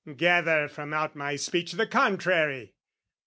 Gather from out my speech the contrary!